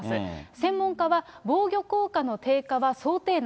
専門家は、防御効果の低下は想定内。